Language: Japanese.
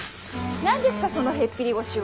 何ですかそのへっぴり腰は。